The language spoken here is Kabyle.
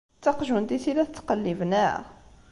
D taqjunt-is i la yettqellib, naɣ?